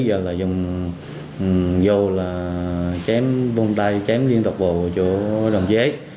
giờ là dùng dô chém vông tay chém liên tục vào chú đồng chí ý